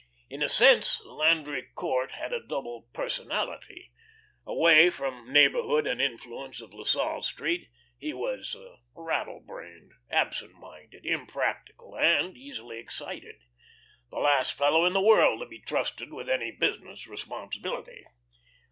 In a sense Landry Court had a double personality. Away from the neighbourhood and influence of La Salle Street, he was "rattle brained," absent minded, impractical, and easily excited, the last fellow in the world to be trusted with any business responsibility.